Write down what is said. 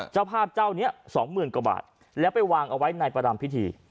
เจ้าภาพเเต้าเนี้ย๒๐๐๐๐กว่าบาทแล้วไปวางเอาไว้ในประดัมพิธี